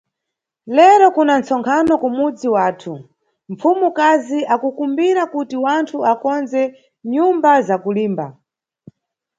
Lero kuna nʼtsonkhano kumudzi wathu, mpfumukazi akukumbira kuti wanthu akondze nyumba za kulimba.